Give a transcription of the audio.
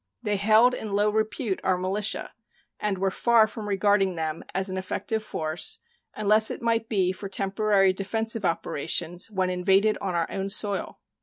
They held in low repute our militia, and were far from regarding them as an effective force, unless it might be for temporary defensive operations when invaded on our own soil.